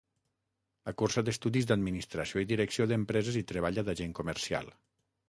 Ha cursat estudis d'Administració i Direcció d'Empreses i treballa d'agent comercial.